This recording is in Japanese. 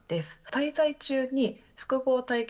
滞在中に複合体験